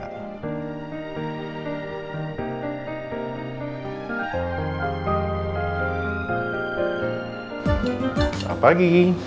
terima kasih pak